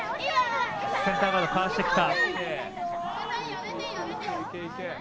センターからかわしてきた。